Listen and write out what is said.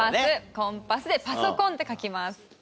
「コンパス」で「パソコン」って書きます。